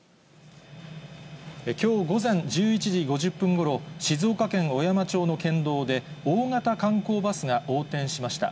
きょう午前１１時５０分ごろ、静岡県小山町の県道で、大型観光バスが横転しました。